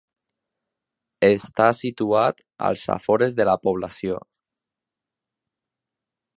Està situat als afores de la població.